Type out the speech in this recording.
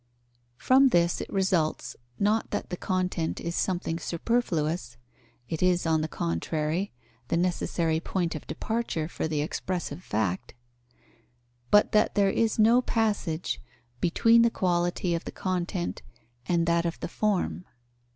From this it results, not that the content is something superfluous (it is, on the contrary, the necessary point of departure for the expressive fact); but that there is no passage between the quality of the content and that of the form.